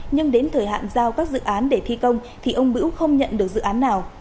nhưng đến thời hạn giao các dự án để thi công thì ông bưu không nhận được dự án nào